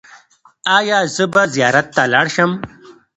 ایا زه به زیارت ته لاړ شم؟